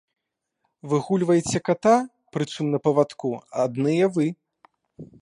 Выгульваеце ката, прычым на павадку, адныя вы.